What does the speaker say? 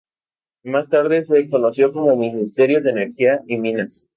Más tarde se conoció como Ministerio de Energía y Minas.